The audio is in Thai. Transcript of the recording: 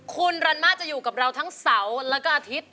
คุณรันมาจะอยู่กับเราทั้งเสาร์แล้วก็อาทิตย์